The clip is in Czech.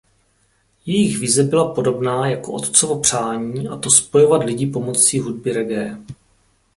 Jejich vize byla podobná jako otcovo přání a to spojovat lidi pomocí hudby reggae.